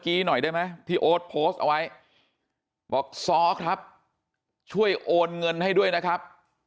หน่อยได้ไหมที่โอ๊ตโพสต์เอาไว้บอกซ้อครับช่วยโอนเงินให้ด้วยนะครับ